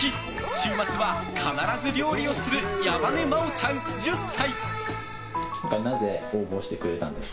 週末は必ず料理をする山根真央ちゃん、１０歳。